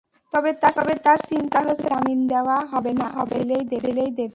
তবে তাঁর চিন্তা হচ্ছে তাঁকে জামিন দেওয়া হবে না, জেলেই দেবে।